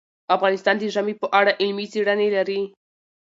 افغانستان د ژمی په اړه علمي څېړنې لري.